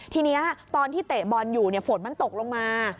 ทีนี้ตอนที่เตะบอลอยู่ฝนมันตกลงมา